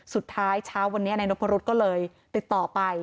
เช้าวันนี้นายนพรุษก็เลยติดต่อไป